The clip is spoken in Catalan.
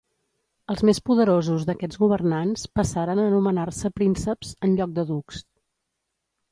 Els més poderosos d'aquests governants passaren a anomenar-se prínceps en lloc de ducs.